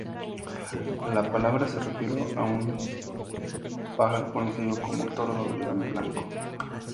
La palabra se refirió a un pájaro conocido como tordo del Blanco.